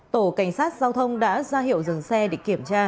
tổ cảnh sát giao thông đã ra hiệu dừng xe để kiểm tra